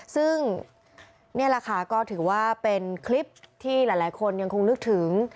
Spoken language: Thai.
ซึ่งนี่แหละค่ะก็ถือว่าเป็นคลิปที่หลายคนยังคงนึกถึง